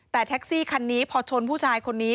แต่แท็กซี่คันนี้พอชนผู้ชายคนนี้